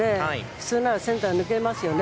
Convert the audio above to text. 普通ならセンターへ抜けますね。